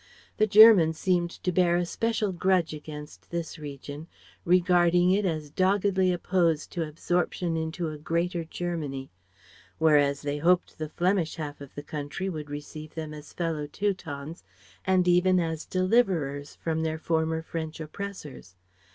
The Germans seemed to bear a special grudge against this region, regarding it as doggedly opposed to absorption into a Greater Germany; whereas they hoped the Flemish half of the country would receive them as fellow Teutons and even as deliverers from their former French oppressors.